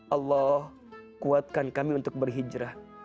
allah kuatkan kami untuk berhijrah